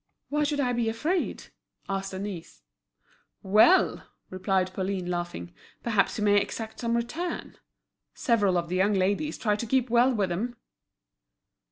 "Why should I be afraid?" asked Denise. "Well!" replied Pauline, laughing, "perhaps he may exact some return. Several of the young ladies try to keep well with him."